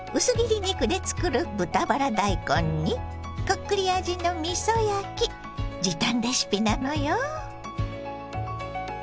薄切り肉で作る豚バラ大根にこっくり味のみそ焼き時短レシピなのよ。